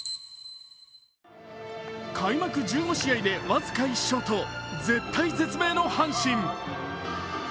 開幕１５試合で僅か１勝と絶体絶命の阪神。